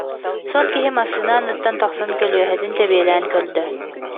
Суон киһи массыына анныттан тахсан көлүөһэтин тэбиэлээн көрдө